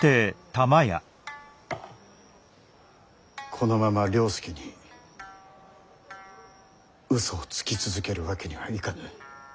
このまま了助に嘘をつき続けるわけにはいかぬ。